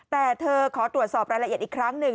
แต่เธอขอตรวจสอบรายละเอียดอีกครั้งหนึ่ง